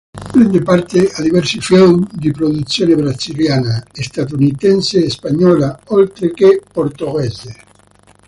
Prende parte a diversi film di produzione brasiliana, statunitense e spagnola oltre che portoghese.